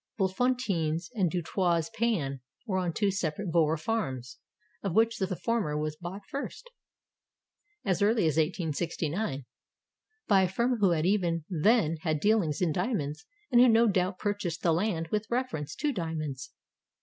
Bultfontein and Du Toit's Pan were on two separate Boer Farms, of which the former was bought first, — 443 SOUTH AFRICA as early as 1869, — by a firm who had even then had dealings in diamonds and who no doubt purchased the land with reference to diamonds.